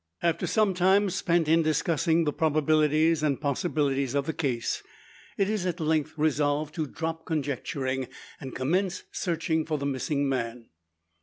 After some time spent in discussing the probabilities and possibilities of the case, it is at length resolved to drop conjecturing, and commence search for the missing man.